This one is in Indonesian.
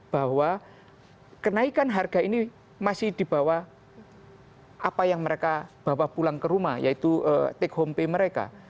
bahwa kenaikan harga ini masih dibawa apa yang mereka bawa pulang ke rumah yaitu take home pay mereka